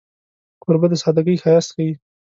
کوربه د سادګۍ ښایست ښيي.